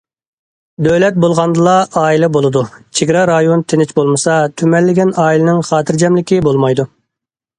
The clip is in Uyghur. دۆلەت بولغاندىلا ئائىلە بولىدۇ، چېگرا رايون تىنچ بولمىسا، تۈمەنلىگەن ئائىلىنىڭ خاتىرجەملىكى بولمايدۇ.